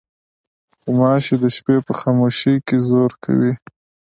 غوماشې د شپې په خاموشۍ کې زور کوي.